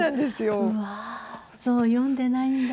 うわそう読んでないんだ。